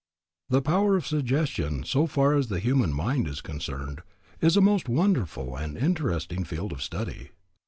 The power of suggestion so far as the human mind is concerned is a most wonderful and interesting field of study.